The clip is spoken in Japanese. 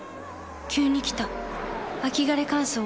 急に来た秋枯れ乾燥。